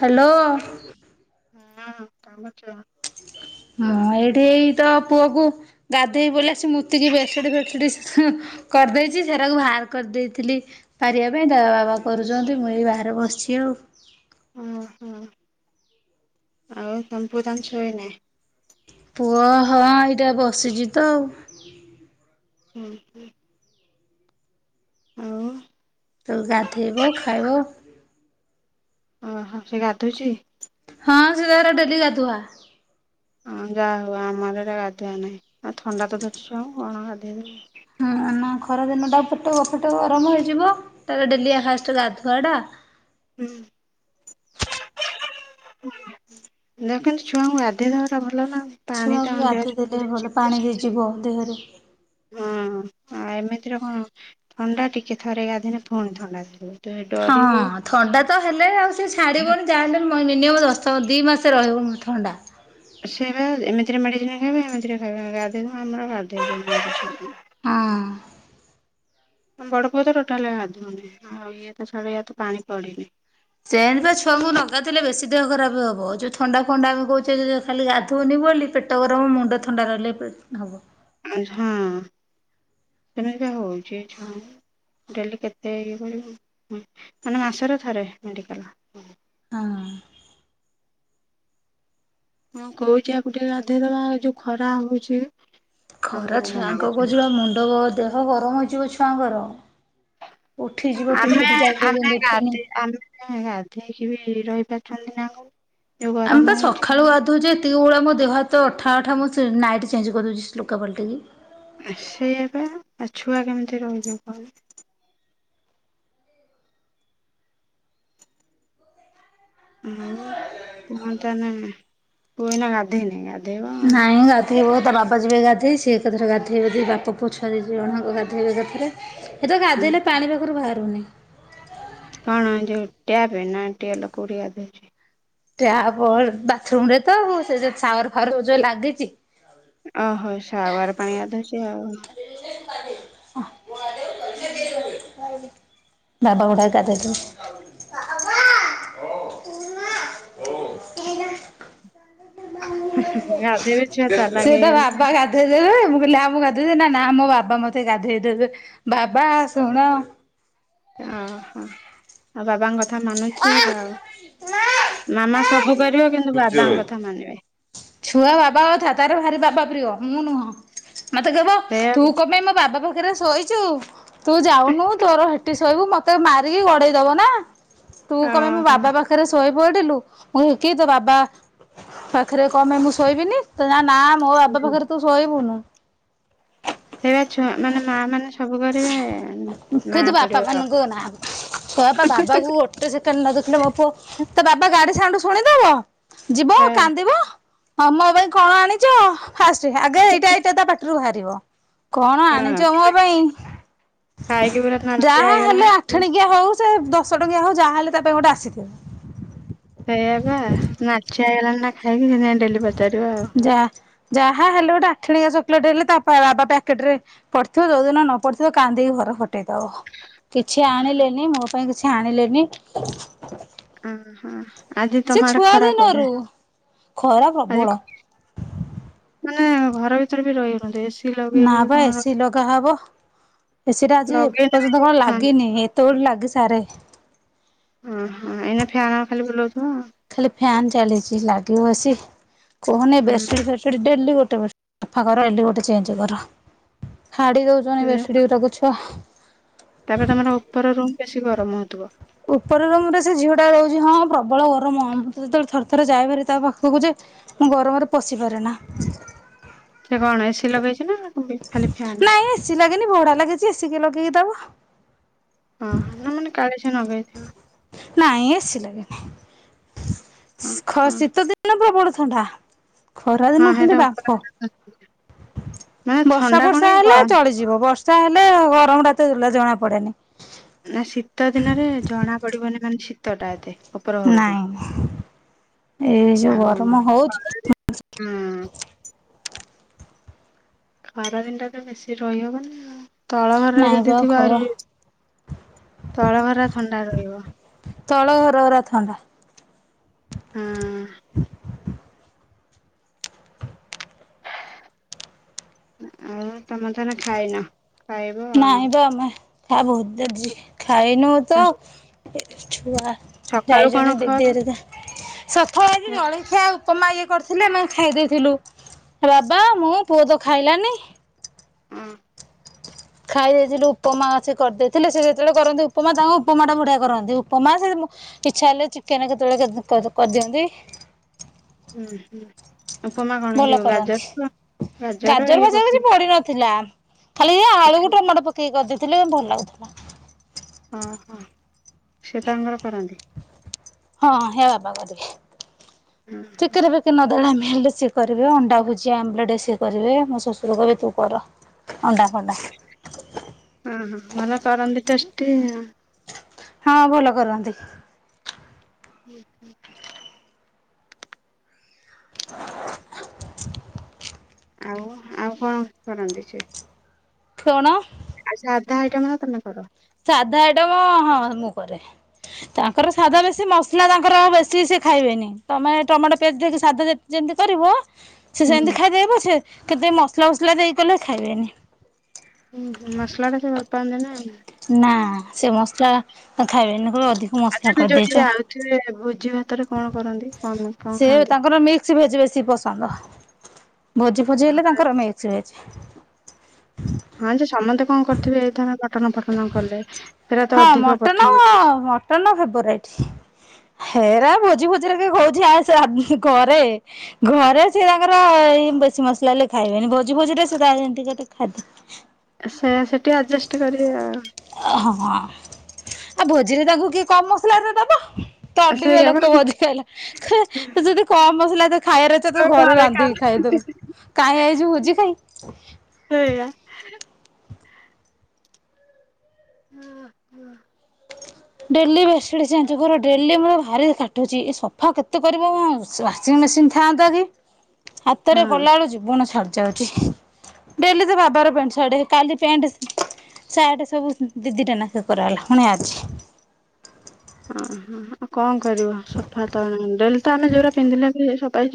Hello hello ହଁ କାମଛ [inaudible] ହଁ ଏଇଠି ଏଇ ତ ପୁଅ କୁ ଗାଧେଇ ବୋଲି ଆସ୍ ମୁତିକି ବେଡ୍ସିଡ଼ି ଫେଡ଼୍ସିଡ଼ି ହୁଁ କରିଦେଇଛି ସେରାକୁ ବାହାର କରିଦେଇଥିଲି ପାରିବା ପାଇଁ ଦେ ବାବା କରୁଛନ୍ତି ମୁଁ ଏଇ ବାହାରେ ବସିଛି ଆଉ। ଓ ହୋ ଆଉ ସମ୍ମ୍ପୁଦାମ ଶୋଇ ନହିଁ [inaudible] ପୁଅ ହଁ ଏଇଟା ବସିଛି ତ ଆଉ। ହୁଁ ହୁଁ ଆଉ ତୁଗାଧେବ ଖାଇବ ଓହୋ ସେ ଗାଧଉଛି । ହଁ ସେ ତାର ଡେଲି ଗାଧୁଆ ହଁ ଗା ହ ଆମରଟ ଗାଧୁଆ ନାଇ । ଆ ଥଣ୍ଡା ତ ଧରିଛି ଛୁଆଙ୍କୁ ଆଉ କଣ ଗାଧେଇ ବି ଖରାଦିନ ଟା ପଟ ଫେଟ ଗରମ ହେଇଯିବ ତା ଡେଲି ଫାଷ୍ଟ ଗାଧୁଆ ଟା ହୁଁ ଦେଖନ୍ତୁ ଛୁଆଙ୍କୁ ଗାଧେଇ ଦେବା ଟା ଭଲ ନା ଆଉ ଛୁଆଙ୍କୁ ଗାଧୋଇ ଦେଲେ ଭଲ ପାଣି ହେଇଯିବ ଦେହରେ। ହଁ ଆଉ ଏମିତିରେ କଣ ଥଣ୍ଡା ଟିକେ ଥରେ ଗାଧିନେ ପୁଣି ଥଣ୍ଡା ଥରିବ। ହଁ ଥଣ୍ଡା ତ ହେଲେ ଆଉ ସେ ଛାଡିବନି ଯାହାହେଲେ ମିନିମମ୍ ଦଶ ଦି ମାସରେ ରହିବ ଥଣ୍ଡା ସେବା ଏମିତିରେ ମେଡିସିନ ଖାଇବେ ଏମିତିରେ ଖାଇବ [inaudible] ହଁ । ବଡପୁଅ ତ ଟୋଟାଲ ଗାଧୁନି ଆଉ ଇଏ ତ ଛାଡ଼ ୟ ତ ପାଣି ପଡ଼ିନି ସେଣିବା ଛୁଆଙ୍କୁ ଲଗାଲେ ବେଶୀ ଦେହ ଖରାପ ହବ ଯୋଉ ଥଣ୍ଡା ଫଣ୍ଡା ଆମେ କହୁଛେ ଖାଲି ଗାଧଉନି ବୋଲି ପେଟ ଗରମ ମୁଣ୍ଡ ଥଣ୍ଡା ରହିଲେ ହବ। ହଁ ସେମତି ହଉଛି ଏ ଛୁଆଙ୍କୁ ଡେଲି କେତେ ଇଏ କରିବୁ ମାନେ ମାସରେ ଥରେ ମେଡିକାଲ। ହଁ ମୁଁ କହୁଛି ଆକୁ ଟିକେ ଗାଧେଇ ଦବା ଯୋଉ ଖରା ହଉଛି। ଖରା ଆମକୁ ମନା କରୁଛି ଛୁଆଙ୍କକୁ ଯିବା ମୁଣ୍ଡ ଯୋର୍ ଦେହ ଗରମ ହେଇଯିବ ଛୁଆଙ୍କର। ଉଠିଯିବ ଆମେ ପିତିରି ଟାଇପର ଆମେ ଯେମିତି ଉଠେନି ଗାଧେଇ ଆମେ ଗାଧୋଇକି ବି ରହିପାରୁ [unintelligible] ଆମେ ପା ସକାଳୁ ଗାଧଉଛେ [inaudible] ଆମ ଦେହ ହାତ୍ ତ ଅଠା ଅଠା ମୁଁ ସେ ନାଇଟ୍ ଚେଞ୍ କରିଦଉଛିି [inaudible] ଲୁଗା ପାଲଟେଇକି। ସେଇଆପା ଆଉ ଛୁଆ କେମିତି ରହିବେ କହିଲ? ଉଁ-ଉଁ [unintelligible] ପୁଅ ଏଇନା ଗାଧେଇନି ଗା ନାଇଁ ଗାଧେଇବ ତା ବାପା ଯିବେ ଗାଧେଇ ସି ସିଏ ଏକା ଥରେ ଗାଧୋଇବେ ଯଦି ବାପ ପୁଅ ଛୁଆ ଦି ଦି ଜଣ ଗାଧୋଇବେ ଏକାଥରେ। ଏ ତ ଗାଧେଇଲେ ପାଣି ପାଖରୁ ବାହାରୁନି। କଣ ଯୋଉ ଟ୍ୟାବେ ନା ଟିଓଲ କୋଉଠି ଗାଧୋଉଛି? ଟ୍ୟାପ ବାଥରୁମରେ ତ ଆଉ ସେ ଯୋଉ ସାୱାରଫାୱର ଯୋଉ ଲାଗିଛି। ଓହୋଃ ସାୱାର ପାଣି ଗାଧଉଛି ଆଉ ବାବା ବଡ଼ା [unintelligible] ଗାଧେଇବେ ଛୁଆ ଚାଲାକ ସେ ତା ହେଇଗଲେଣି। ବାବା ଗାଧେଇ ଦେବେ। ମୁଁ କହିଲି ଆ ମୁଁ ଗାଧୋଇ ଦେବି, ନା ମୋ ବାବା ମତେ ଗାଧେଇ ଦେବେ ବାବା ଶୁଣ। ଓହୋଃ, ଆଉ ବାବାଙ୍କର କଥା ମାନୁଛି ଆଉ, ମାମା ସବ୍ [unintelligible] କିନ୍ତୁ ବାବାଙ୍କ କଥା ମାନିବେ। ଛୁଆ ବାବା କଥା ତାର ଭାରି ବାବା ପ୍ରିୟ, ମୁଁ ନୁହଁ। ମତେ କହିବ ସେଇଆ ତୁ କଣ ପାଇଁ ମୋ ବାବା ପାଖ ଖରେ ଶୋଇଛୁ। ତୁ ଯାଉନୁ ତୋର ହେଠି ଶୋଇବୁ ମତେ ମାରିକି ଗଡେଇ ଦବ ନା। ତୁ କଣ ପାଇଁ ମୋ ଓହୋ। ବାବା ପାଖରେ ଶୋଇ ପଡ଼ିଲୁ ମୁଁ [inaudible] କି ତୋ ବାବା, ପାଖରେ କଣ ପାଇଁ ମୁଁ ଶୋଇବିନି ତୋ‌ ନାଁ ନା ମୋ ବାବା ପାଖରେ ତୁ ଶୋଇବୁନୁ। ସେଇବା ଛୁଆ ମାନେ ମା ମାନେ ସବୁ କରିବେ ନା କିନ୍ତୁ ପଡିବ ବାପା ବାପାମାନଙ୍କୁ [unintelligible] ଛୁଆ ପା ବାବାକୁ ଗୋଟେ ସେକେଣ୍ଡ୍ ନ ଦେଖିଲେ ମୋ ପୁଅ ତା ବାବା ଗାଡି ସାଉଣ୍ଡ୍ ଶୁଣି ଦବ ଯିବ କାନ୍ଦିବ। ହଁ ମୋ ପାଇଁ କଣ ଆଣିଛ? ଫାଷ୍ଟ ଆଗ ଏଇଟା ଏଟା ତା ପାଟରୁ ବାହାର ଯିବ। କଣ ହଁ ଆଣିଛ ମୋ ପାଇଁ? ଖାଇକି ପୁରା ଯାହା ନାଲଚିଆ ହେଲେ ହେଇଗଲାଣି। ଆଠଣିକିଆ ହଉ ସେ ଦଶ ଟଙ୍କିଆ ହଉ ଯାହାହଲେ ତା ପାଇଁ ଗୋଟେ ଆସିଥିବ। ସେଇଆବା ନାଚୁ ଠିଆଇଲାଣି ନା ଖାଇକି ସେ ଡେଲି ପାରିବା ଆଉ। ଯା ଯାହା ହେଲେ ଗୋଟେ ଆଠିଣିକଆ ଚକୋଲେଟ ହେଲେ ତା ବାବା ପ୍ୟାକେଟ ରେ ପଡିଥିବ ଯୋଉଦିନ ନ ପଡିଥିବ କାନ୍ଦିକି ଘର ଫଟେଇଦବ। କିଛି ଆଣିଲେନି ମୋ ପାଇଁ କିଛି ଆଣିଲେନି ହଁ ହଁ। ସେ ଛୁଆ ଦିନରୁ। ଖରା ଆଜି ପ୍ରବଳ। ମାନେ ଘର ଭିତରେ ବି ରହି ହଉନି। ନା ବା ଏସିି ଲଗାହବ ଏସି ଟା ଆଜି ଲଗେଇଲେ ଏପର୍ଯ୍ୟନ୍ତ ବି କଣ ହଁ ଲାଗିନି ଏତେବେଳେ ଲାଗି ଚାରେ ଓ ହଁ ଏଇନ ଫ୍ୟାନ୍ ଖାଲି ବୁଲ ଖାଲି ପ୍ ଫ୍ୟନ ଚାଲିଛି ଲାଗିବ ଏସି, [unintelligible] କୁହନି ହୁଁ ବେଶୁଳି ଫେସୁଳି ଡେଲି ଗୋଟେ ବ ସଫା କର ଡଲି ଗୋଟେ ଚେଞ୍ଜ କର। ହାଡ଼ି ଦଉଛନ ସେଇଆ ବେଶଡି ତାକୁ ଛୁଆ। ହା ତାପରେ ତାଙ୍କର ଉପର ରୁମ୍ ବେଶୀ ଗରମ ହଉଥିବ ଉପର ରୁମ ରେ ସେ ଝିଅ ଟା ରହୁଛି ହଁ ପ୍ରବଳ ଗରମ ଅମ୍ ମୁଁ ତ ଯେତେବେଳେ ଥରେ ଥରେ ଯାଇପାରି ତା ପାଖକୁ ଯେ ମୁଁ ଗରମରେ ପଶି ପାରେ ନା, ସେ କଣ ଏସି ଲଗେଇଛି ନା କୁବି ଖାଲି ଫ୍ୟନ୍ ଘିଇ ଲଗେଇଲି ଦେବୁ। ହଁ ନା ମାନେ କାଳେଶ ନଗେଇ ନା। ନାାଇଁ ଏସି ଲାଗେନି, [unintelligible] ହଁ ଖ ହଁ ଶୀତ ଦିନ ଭଳବଳ ଥଣ୍ଡା, ଖରା ହଁ ଦିନ ହେଲେ ହେଟା ଉପରେ ବାପ ମାନେ ବର୍ଷା ଥଣ୍ଡା କଣ ବର୍ଷା କି ଗ ହେଲେ ଚଳିଯିବ ବର୍ଷା ହେଲେ ଗରମ ଟ ତ୍ ଜଣା ପଡେନି। ନା ଶୀତ ଦିନରେ ଜଣା ପଡିବନି ନାନ୍ ଶିତଟା ଏତେ ଉପର ଘରକୁ ନାଇଁ ଏ ଯୋଉ ଆଉ ଗରମ ହଉଛି ଖରାଦିନ ଥନ୍ ହୁଁ [unintelligible] ଖରା ଦିନଟା ତ ବେଶୀ ରହିହବନି ଆଉ ତଳ ଘର ନାଇଁ ଯଦି ବା ଥିବ ଘର ଆରେ ତଳ ଘର ଥଣ୍ଡା ରହିବ। ତଳ ଘରରା ଥଣ୍ଡା। ହଁ [unintelligible] ଆଉ ତମେ ତାହାନେ ଖାଇନ ଖାଇବ ଆଉ। ହା ବହୁ ଦର୍ଜି ଖାଇନୁ ତ ଏ ଛୁଉଆ ସକାଳୁ କଣ ଯାଇଚନ୍ତି ଖାଅ ଦିଦି ହାରିକା ସଫଳ ଆଜି ହୁଁ ଜଳଖିୟ ଆଉ ତମ ମା ଇଏ କରିଥିଲେ ନା ଖାଇ ଦେଇଥିଲୁ ଆ ବାବା ମୁଁ ପୁଅ ତ ଖାଇଲାନି। ହୁଁ। ଖାଇ ଦେଇଥିଲୁ ଉପମା ସେ କରିଦେଇଥିଲେ ସେ ଯେତେବେଳେ କରନ୍ତି ଉପମା ତାଙ୍କ ଉପମା ଟା ବୁଢିଆ କରନ୍ତି ଉପମା ସେଏ ଇଛା ହେଲେ ଚିକେନ୍ କେତେବେଳେ କରି କରିଦିଅନ୍ତି। ହୁଁ ହୁଁ। ଭଲ କରଛି ଗାଜର ଇଏ ଭାଜର କିଛି ପକେଇ ପଡି ନଥିଲା। ଖାଲି ଯାହା ଆଳୁ ଗୋଟେ ଟମାଟ ପକେଇି କରି ସେଥିଲେ ବି ଭଲ ଲାଗୁଥିଲା। ଓହୋ ସେତାଙ୍କର କରନ୍ତି। ହଁ ହେରା ବାବା କରିବେ। ହଁ ଚିକେନ ଫିକେନ ଅଧା ଟାଇମ ହେଲେ ସିଏ କରିବେ ଅଣ୍ଡା ଭୁଜିଆ ଆମଲେଟ ସି ଏ କରିବେ ହେଲେ ମୋ ଶଶୁର କହିବେ ତୁ କର ଅଣ୍ଡା ଫଣ୍ଡା ଅ ହ ଭଲ କରନ୍ତି ଟେଷ୍ଟ ଟି ନା ହଁ ଭଲ କରନ୍ତି। ହୁଁ ହୁଁ। ଆଉ ଆଉ କଣ କରନ୍ତି ସିଏ? କଣ? ସାଧା ଆଇଟମ୍ ନା ତମେ କର। ସାଧା ଆଇଟମ ହଁ ମୁଁ କରେ। ତାଙ୍କର ସାଧା ବେଶୀ ମସ୍ତ ମସଲା ତାଙ୍କର ବେଶୀ ସିଏ ଖାଇବେନି ତୁମେ ଟମାଟୋ ପିଆଜ ଦେଇକି ସାଧା ଯେ ଯେମିତି କରିବ ସେ ସେମିତି ଖାଇଦେବେ ପଛେ କେତେ ମସଲା ଫସଲା ଦେଇ କଲେ ଖାଇବେନି। ମସଲା ଟା ଟିକିଏ ଭଲ ପାଆନ୍ତିନି। ନା ସେ ମସଲା ଖାଇବେନି। ଅଧିକ ଆଉ ମସଲା ତ ତେ ଯୋଉଠି କରିଦେଇଛ। ଯାଉଥିବେ ଭୋଜିଭାତ ହାତରେ କଣ କରନ୍ତି? [unintelligible] ସେ କଣ ଖାଆନ୍ତି? ତାଙ୍କର ମିକ୍ସ ଭେଜି ବେଶି ପସନ୍ଦ ଭୋଜି ଫୋଜି ହେଲେ ତାଙ୍କର ମିକସ ଭେଜ। ହଁ ଯେ ସମସ୍ତେ କଣ କର କରିଥିବେ ଏଇଥ ହଁ ମଟନ ପଠନ ମଟନ ଫେବରାଇଟ। ହେରା ଭୋଜି ଭୋଜିରେ କହୁଛି ଆ ଘରେ ଘରେ ସେ ତାଙ୍କର ଏଇ ବେଶୀ ମସଲା ଖାଇବେନି ଭୋଜି ଭୋଜିରେ ସେ ତା ଯେମିତି ଖା ସେ ସେଠି ଆଡଜଷ୍ଟ କରିବେ ଆଉ ହଁ। ଆଉ ଭୋଜିରେ ତାଙ୍କୁ କି କମ ମସଲା ଦବ ତଦିବ ସେଇଆ ବା ଲୋକ ବଧି ପଲା ଯଦି କମ ମସଲା ଖାଇବାରେତ ତୁ ଘରେ ରାନ୍ଧିକି ଖାଇଦେଲୁ କାହିଁ ଆଇଛୁ ଭୋଜି ଖାଇବା ପାଇଁ ସେଇଆ [unintelligible] ଡେଲି ବେଡ୍ସିଡ ଚେଞ୍ଚେକର କର ଡେଲି ମତେ ଭାରି କାଟୁଛି ସଫା କେତେ କରିବ ୱାସିଂ ମେସିନ ଥାନ୍ତା କି? ହାତରେ ହଁ କଲାବେଳୁ ଜୀବନ ଛାଡି ଯାଉଛି ଡେଲି ତ ବାବାର ପ୍ୟାଣ୍ଟ ସାର୍ଟ କାଲି ପ୍ୟାଣ୍ଟ ସାର୍ଟ ସବୁ ଦିଦିଟା ନାକେ କରାଗଲା ପୁଣି ଆଜି। ଓହ ଆଉ କଣ କରିବ ସଫା ତ ଡେଲି ତ ଆମେ ଯୋଉଟା ପିନ୍ଧିଲେ ବି ସଫା